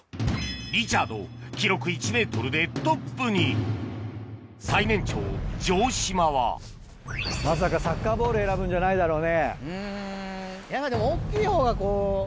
リチャード記録１ｍでトップに最年長城島はまさかサッカーボール選ぶんじゃないだろうね？